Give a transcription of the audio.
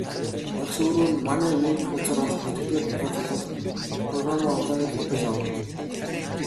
Багш өөрөө манай веб хуудсаар орж бүртгэлээ баталгаажуулаад программаа онлайнаар татаж авна.